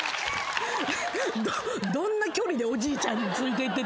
どんな距離でおじいちゃんについていっててんな。